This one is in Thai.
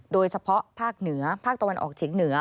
โดยเฉพาะภาคเหนือภาคตะวันออกเฉียงเหนือ